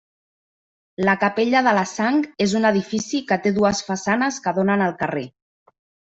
La capella de la Sang és un edifici que té dues façanes que donen al carrer.